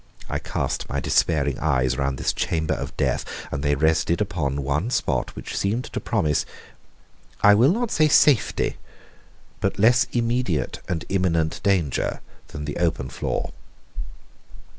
I cast my despairing eyes round this chamber of death, and they rested upon one spot which seemed to promise I will not say safety, but less immediate and imminent danger than the open floor.